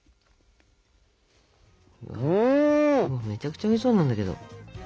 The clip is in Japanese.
めちゃくちゃおいしそうなんだけど。